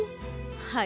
はい。